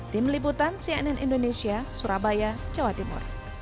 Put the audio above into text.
tim liputan cnn indonesia surabaya jawa timur